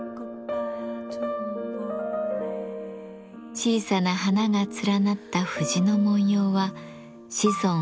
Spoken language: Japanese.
小さな花が連なった藤の文様は子孫繁栄の吉祥紋。